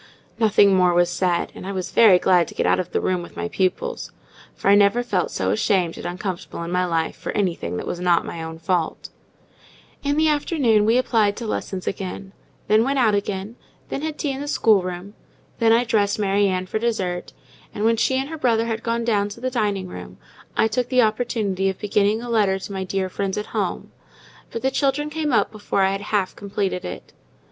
Nothing more was said; and I was very glad to get out of the room with my pupils; for I never felt so ashamed and uncomfortable in my life for anything that was not my own fault. In the afternoon we applied to lessons again: then went out again; then had tea in the schoolroom; then I dressed Mary Ann for dessert; and when she and her brother had gone down to the dining room, I took the opportunity of beginning a letter to my dear friends at home: but the children came up before I had half completed it.